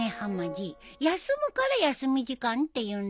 休むから休み時間っていうんだよ。